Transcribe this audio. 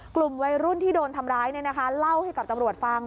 กลุ่มวัยรุ่นที่โดนทำร้ายเล่าให้กับตำรวจฟัง